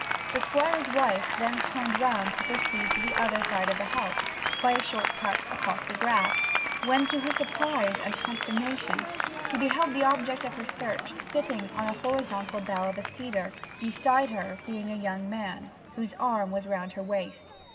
The Squire's wife then turned round to proceed to the other side of the house by a short cut across the grass, when, to her surprise and consternation, she beheld the object of her search sitting on the horizontal bough of a cedar, beside her being a young man, whose arm was round her waist.